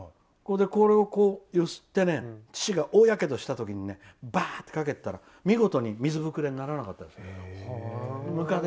これを揺すってね父が大やけどしたときにバーってかけてたら見事に水ぶくれにならなかったです。